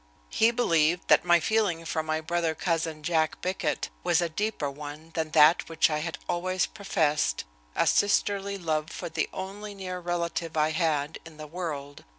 He believed that my feeling for my brother cousin, Jack Bickett, was a deeper one than that which I had always professed, a sisterly love for the only near relative I had in the world.